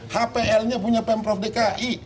hpl nya punya pemprov dki